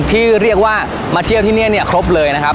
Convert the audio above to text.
ที่เรียกว่ามาเที่ยวที่นี่เนี่ยครบเลยนะครับ